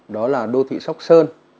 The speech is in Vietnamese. đó là đô thị sóc sơn